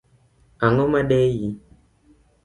Ang’o madei?